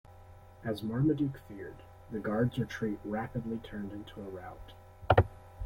As Marmaduke feared, the Guard's retreat rapidly turned into a rout.